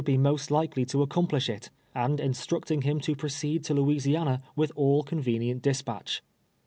be mn^il likely to accom|ill^li it, and instructing liim to i)i'oct.'L'(l to Louisiana with all convenient dispatch.